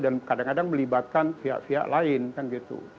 dan kadang kadang melibatkan pihak pihak lain kan gitu